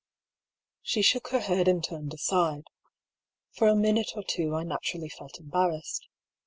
She shook her head and turned aside. For a minute or two I naturally felt embarrassed.